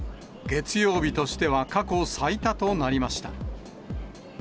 月曜日としては過去最多となりました。